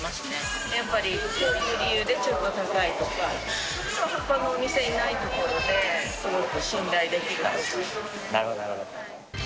やっぱりこういう理由でちょっと高いとか、本当にほかのお店にはないところで、すごく信頼でなるほど、なるほど。